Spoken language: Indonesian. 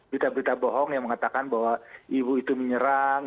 berita berita bohong yang mengatakan bahwa ibu itu menyerang